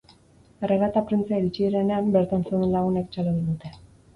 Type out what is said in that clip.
Erregea eta printzea iritsi direnean, bertan zeuden lagunek txalo egin dute.